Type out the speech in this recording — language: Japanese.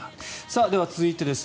では、続いてです。